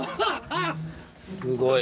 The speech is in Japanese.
すごい。